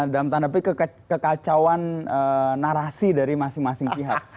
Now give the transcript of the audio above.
dalam tanda petik kekacauan narasi dari masing masing pihak